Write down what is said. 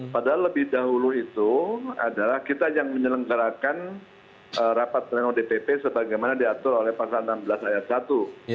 padahal lebih dahulu itu adalah kita yang menyelenggarakan rapat pleno dpp sebagaimana diatur oleh pasal enam belas ayat satu